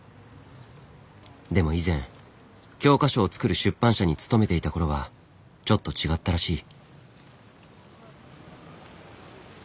でも以前教科書を作る出版社に勤めていた頃はちょっと違ったらしい。